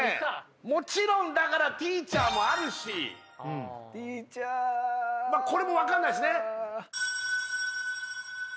もちろんだからティーチャーもあるしティーチャーこれも分かんないですね